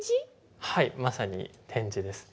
はい、まさに点字です。